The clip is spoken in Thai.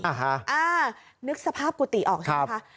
อ่านึกสภาพกุฏิออกใช่ป่ะครับ